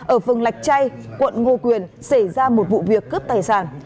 ở phường lạch chay quận ngô quyền xảy ra một vụ việc cướp tài sản